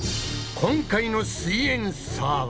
今回の「すイエんサー」は？